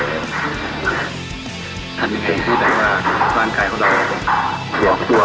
อันนี้เป็นที่แสดงว่าร่างกายของเราหวังตัว